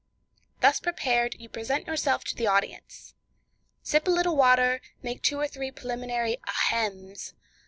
Thus prepared, you present yourself to the audience. Sip a little water, make two or three preliminary ahems!